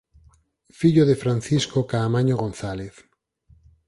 Fillo de Francisco Caamaño González.